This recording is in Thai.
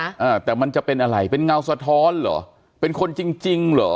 อ่าแต่มันจะเป็นอะไรเป็นเงาสะท้อนเหรอเป็นคนจริงจริงเหรอ